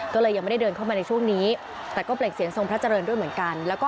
ก็เลยยังไม่ได้เดินเข้ามาในช่วงนี้แต่ก็เปล่งเสียงทรงพระเจริญด้วยเหมือนกัน